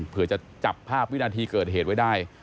เพื่อจะจับภาพวินาทีเกิดเหตุไว้ได้